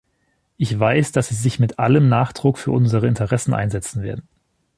Ich weiß, dass Sie sich mit allem Nachdruck für unsere Interessen einsetzen werden.